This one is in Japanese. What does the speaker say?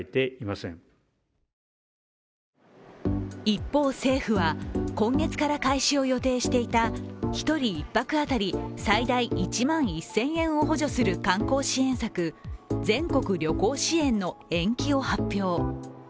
一方、政府は今月から開始を予定していた１人１泊当たり最大１万１０００円を補助する観光支援策、全国旅行支援の延期を発表。